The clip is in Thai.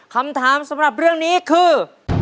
คำถามสำหรับเรื่องนี้คือ